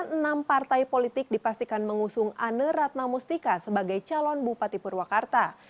enam partai politik dipastikan mengusung ane ratnamustika sebagai calon bupati purwakarta